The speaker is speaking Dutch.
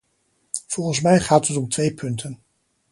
Volgens mij gaat om twee punten.